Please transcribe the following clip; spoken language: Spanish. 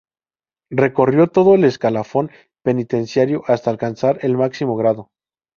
Recorrió todo el escalafón penitenciario hasta alcanzar el máximo grado.